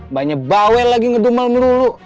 mbaknya bawel lagi ngedumel merulu